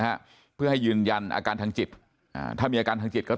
ครับเพื่อให้ยืนยันอาการทางจิตถ้ามีอาการทางจิตก็ต้อง